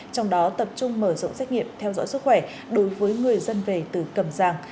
trong đó tập trung mở rộng xét nghiệm theo dõi sức khỏe đối với người dân về từ cầm giang